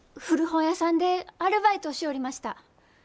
古本屋さんでアルバイトをしょうりました。